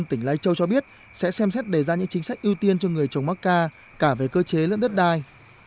tỉnh lai châu cho biết sẽ xem xét đề ra những chính sách ưu tiên cho người trồng mắc ca cả về cơ chế lẫn đất đai